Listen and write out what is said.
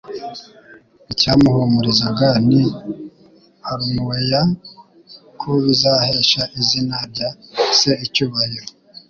icyamuhumurizaga ni ulwuneuya ko bizahesha izina rya Se icyubahiro.